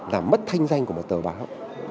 và mất thanh danh của một tờ báo